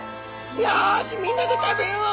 「よしみんなで食べよう。